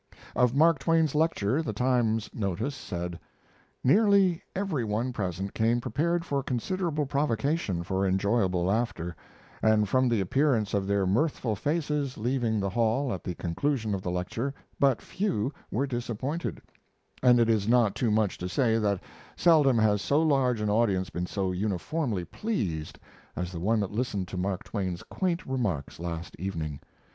Of Mark Twain's lecture the Times notice said: "Nearly every one present came prepared for considerable provocation for enjoyable laughter, and from the appearance of their mirthful faces leaving the hall at the conclusion of the lecture but few were disappointed, and it is not too much to say that seldom has so large an audience been so uniformly pleased as the one that listened to Mark Twain's quaint remarks last evening.